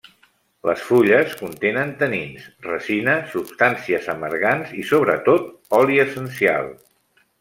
Les fulles contenen tanins, resina, substàncies amargants i sobretot, oli essencial.